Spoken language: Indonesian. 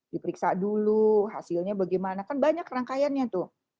diperiksa dulu hasilnya bagaimana kan banyak rangkaiannya tuh